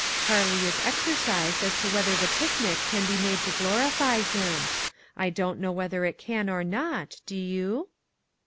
Charlie is exercised as to whether the picnic can be made to glorify Him. I don't know whether it can or not, do you?"